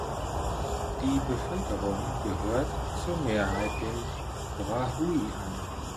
Die Bevölkerung gehört zur Mehrheit den Brahui an.